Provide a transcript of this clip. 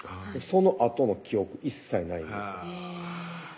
そのあとの記憶一切ないんですへぇ